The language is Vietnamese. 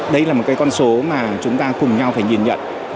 đây là một cái con số mà chúng ta cùng nhau phải nhìn nhận